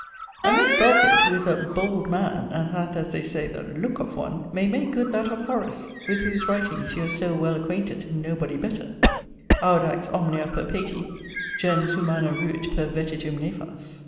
And this Belford (who is a 'bold man,' and hath, as they say, the 'look' of one) may make good that of Horace, (with whose writings you are so well acquainted; nobody better;) 'Audax omnia perpeti, Gens humana ruit per vetitum nefas.'